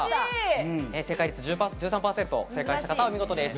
正解率１３％、正解した方、お見事です。